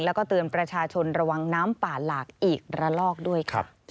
แล้วก็เตือนประชาชนระวังน้ำป่าหลากอีกระลอกด้วยค่ะ